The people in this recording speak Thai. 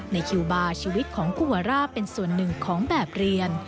ในคิวบาร์ชีวิตของคู่วาร่าเป็นส่วนหนึ่งของแบบเรียน